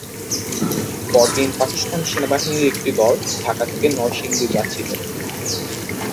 পরদিন পাকিস্তান সেনাবাহিনীর একটি দল ঢাকা থেকে নরসিংদী যাচ্ছিল।